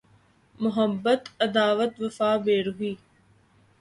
Muhabbat Adawat Wafa Berukhi